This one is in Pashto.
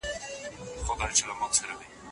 د ځوانانو له انرژۍ باید سمه ګټه واخیستل سي.